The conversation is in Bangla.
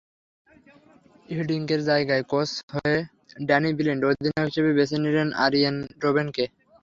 হিডিঙ্কের জায়গায় কোচ হয়ে ড্যানি ব্লিন্ড অধিনায়ক হিসেবে বেছে নিলেন আরিয়েন রোবেনকে।